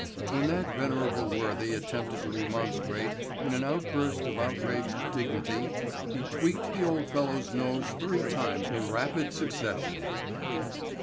When that venerable worthy attempted to remonstrate in an outburst of outraged dignity, he tweaked the old fellow's nose three times in rapid succession.